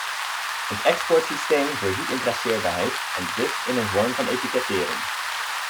Het exportsysteem voorziet in traceerbaarheid en dus in een vorm van etikettering.